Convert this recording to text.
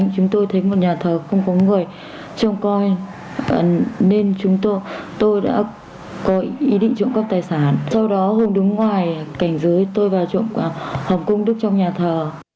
chúng tôi đã có ý định trộm cấp tài sản sau đó hùng đứng ngoài cạnh dưới tôi và trộm cấp hồng cung đức trong nhà thờ